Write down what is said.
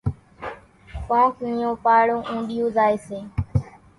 ڪونڪ نِيون پاڙون اونڏِيون زائيَ سي۔